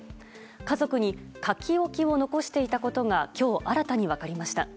家族に書き置きを残していたことが今日、新たに分かりました。